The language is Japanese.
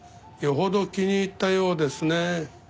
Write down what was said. よほど気に入ったようですね。